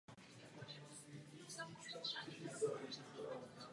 Při tom studoval díla slavných italských malířů a zdokonaloval svou techniku.